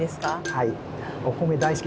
はい。